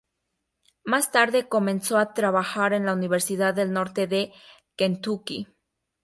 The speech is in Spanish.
Más tarde comenzó a trabajar en la Universidad del Norte de Kentucky.